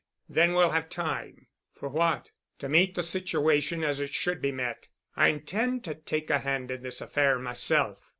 Then we'll have time." "For what?" "To meet the situation as it should be met. I intend to take a hand in this affair myself."